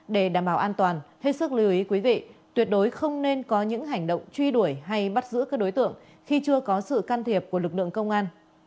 để đảm bảo an toàn hết sức lưu ý quý vị tuyệt đối không nên có những hành động truy đuổi hay bắt giữ các đối tượng khi chưa có sự can thiệp của lực lượng công an